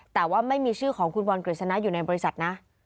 แต่ว่าไม่มีชื่อของคุณบอลกฤษณะอยู่ในบริษัทนะ